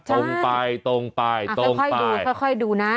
ตรงไปตรงไปตรงค่อยดูค่อยดูนะ